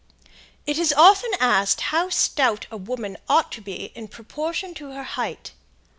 It is often asked how stout a woman ought to be in proportion to her height.